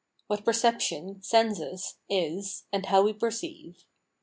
What perception (SENSUS) is, and how we perceive.